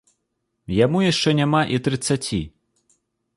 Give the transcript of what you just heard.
Яму яшчэ няма і трыццаці.